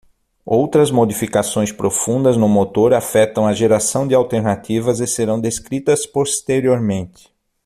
Outras modificações profundas no motor afetam a geração de alternativas e serão descritas posteriormente.